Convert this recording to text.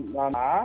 dua tiga dan empat